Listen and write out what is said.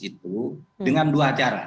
itu dengan dua cara